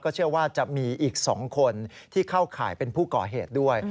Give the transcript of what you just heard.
เชื่อว่าจะมีอีก๒คนที่เข้าข่ายเป็นผู้ก่อเหตุด้วย